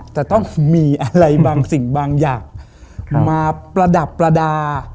แต่ต้องมีอะไรบางสิ่งบางอย่างมาประดับประดาษ